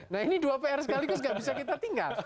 nah ini dua pr sekaligus gak bisa kita tinggal